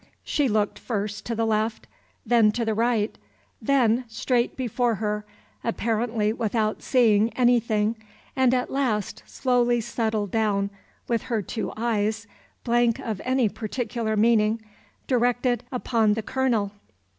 She looked first to the left, then to the right, then straight before her, apparently without seeing anything, and at last slowly settled down, with her two eyes, blank of any particular meaning, directed upon the Colonel.